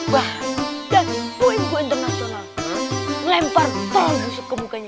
wah dan wmgo internasional melempar tol busuk ke mukanya